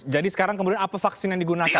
jadi sekarang kemudian apa vaksin yang digunakan